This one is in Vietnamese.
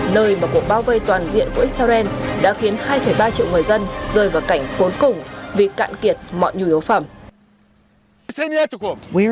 nơi mà cuộc bao vây toàn diện của israel đã khiến hai ba triệu người dân rơi vào cảnh cuốn cùng vì cạn kiệt mọi nhu yếu phẩm